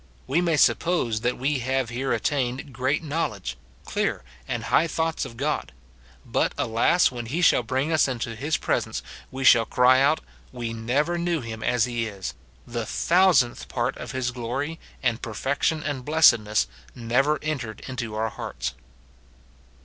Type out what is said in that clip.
We may suppose that we have here attained great knowledge, clear and high thoughts of God ; but, alas ! when he shall bring us into his pres ence we shall cry out, " We never knew him as he is ; tho thousandth part of his glory, and perfection, and blessedness, never entered into our hearts."